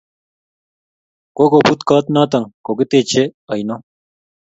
kogobuut koot noto kotigeteche oino